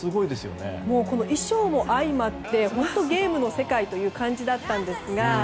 衣装も相まってゲームの世界という感じだったんですが。